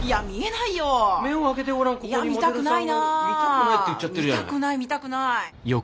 見たくない見たくない。